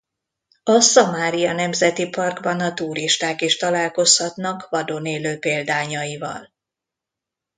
A Szamária Nemzeti Parkban a turisták is találkozhatnak vadon élő példányaival.